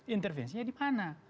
intervensinya di mana